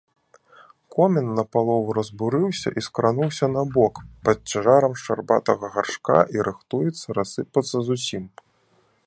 Комін напалову разбурыўся і скрануўся набок пад цяжарам шчарбатага гаршка і рыхтуецца рассыпацца зусім.